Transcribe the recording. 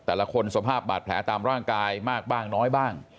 แต่ละคนสภาพบาดแผลตามร่างกายมากบ้างน้อยบ้าง